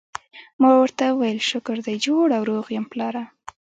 ما ورته وویل: شکر دی جوړ او روغ یم، پلاره.